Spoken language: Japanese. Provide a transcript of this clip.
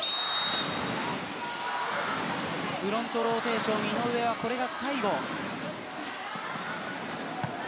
フロントローテーション井上はこれが最後です。